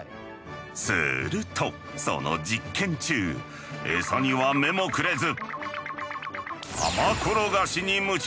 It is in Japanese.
するとその実験中餌には目もくれず。